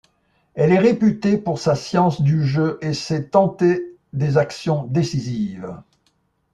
Elle est réputée pour sa science du jeu et sait tenter des actions décisives.